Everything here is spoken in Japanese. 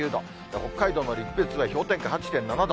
北海道の陸別では氷点下８．７度。